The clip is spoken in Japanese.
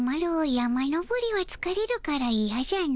山登りはつかれるからいやじゃの。